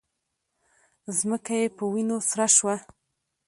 ځمکه یې په وینو سره شوه